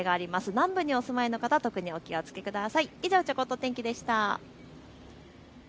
南部にお住まいの方特にお気をつけください。